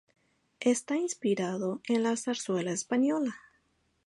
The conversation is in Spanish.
Está inspirado en la zarzuela española.